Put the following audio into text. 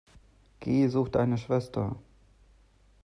Geh, such deine Schwester!